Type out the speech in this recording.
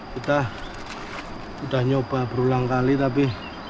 kita sudah nyoba berulang kali tapi